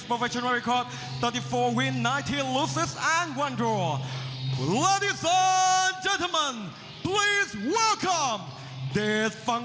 ข้างหลังของเขาวิคคอร์ด๗๘วินเตอร์ลูซิสและฟรีโดรทุกคนทุกคน